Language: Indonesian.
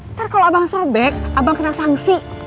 ntar kalau abang sobek abang kena sanksi